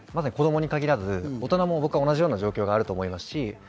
子供に限らず、大人も同じような状況があると思います。